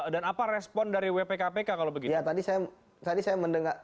dan apa respon dari wpkpk kalau begitu